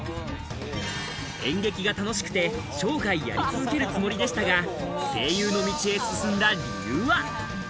演劇が楽しくて、生涯やり続けるつもりでしたが、声優の道へ進んだ理由は？